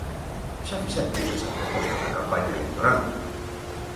Xa fixemos esa proposta na campaña electoral.